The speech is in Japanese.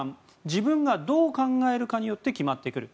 自分がどう考えるかによって決まってくる。